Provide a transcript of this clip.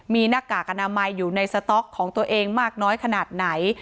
มีหน้ากากอนามัยอยู่ในสต๊อกของตัวเองมากน้อยขนาดไหน